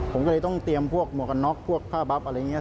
ผมก็เลยต้องเตรียมพวกหมวกกันน็อกพวกผ้าบับอะไรอย่างนี้